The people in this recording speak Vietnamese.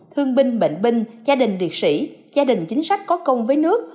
thương binh bệnh binh gia đình liệt sĩ gia đình chính sách có công với nước